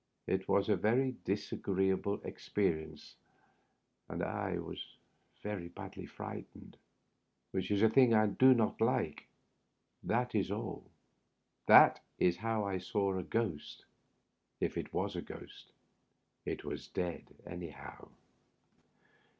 It was a very disagreeable experience, and I was very badly frightened, which is a thing I do not like. That is alL That is how I saw a ghost— if it was a ghost It was dead, anyhow.